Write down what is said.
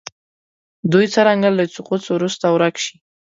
دوی څرنګه له سقوط وروسته ورک شي.